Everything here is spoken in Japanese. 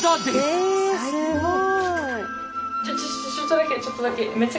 えすごい。